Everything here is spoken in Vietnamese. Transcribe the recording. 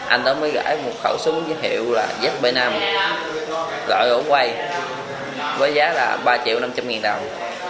anh đó mới gửi một khẩu súng với hiệu là zb năm loại ổ quay với giá là ba triệu năm trăm linh nghìn đồng